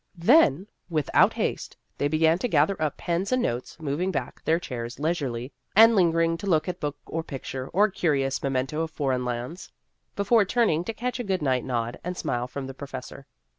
Then, without haste, they began to gather up pens and notes, moving back their chairs leisurely, and lingering to look at book or picture or curious me mento of foreign lands, before turning to catch a good night nod and smile from the professor.